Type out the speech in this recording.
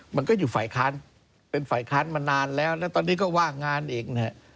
มันก็อยู่ฝ่ายค้านเป็นฝ่ายค้านมานานแล้วนะตอนนี้ก็ว่างงานอีกนะฮะ